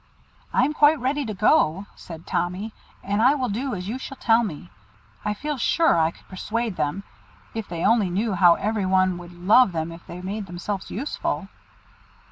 "I am quite ready to go," said Tommy, "and I will do as you shall tell me. I feel sure I could persuade them. If they only knew how every one would love them if they made themselves useful!"